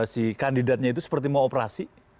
si kandidatnya itu seperti mau operasi